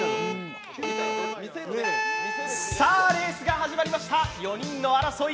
レースが始まりました、４人の争い。